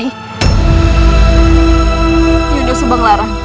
ibu nda sebenglaran